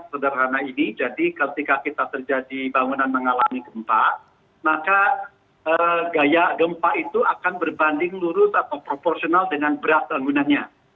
sederhana ini jadi ketika kita terjadi bangunan mengalami gempa maka gaya gempa itu akan berbanding lurus atau proporsional dengan berat bangunannya